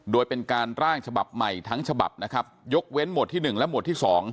โดยเป็นการร่างฉบับใหม่ทั้งฉบับนะครับยกเว้นหมวดที่๑และหมวดที่๒